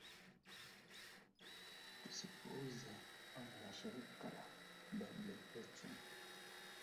Mfumo huu lazima uzoeshwe ili kufaa